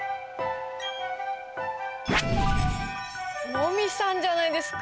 モミさんじゃないですか。